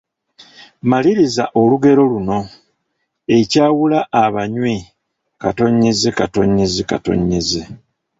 Maliriza olugero luno: Ekyawula abanywi, …